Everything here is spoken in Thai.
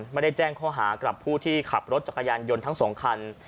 ไม่ได้แจ้งข้อหากับผู้ที่ขับรถจักรยานยนต์ทั้งสองคัน